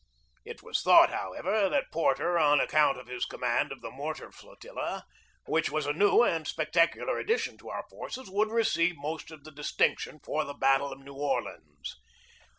It was thought, however, that Porter, on ac count of his command of the mortar flotilla, which was a new and spectacular addition to our forces, ON THE JAMES RIVER 121 would receive most of the distinction for the battle of New Orleans.